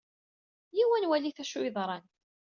Eyya-w ad nwalit acu yeḍran.